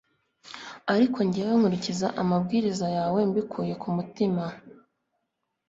ariko jyewe, nkurikiza amabwiriza yawe mbikuye ku mutima